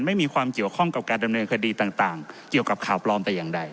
ไม่มีความเกี่ยวข้องกับการดำเนินคดีต่างเกี่ยวกับข่าวปลอมแต่อย่างใด